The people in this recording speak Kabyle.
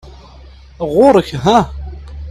Ɣuṛ-k ha!